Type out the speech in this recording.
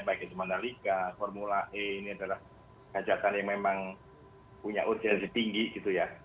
baik itu mandalika formula e ini adalah hajatan yang memang punya urgensi tinggi gitu ya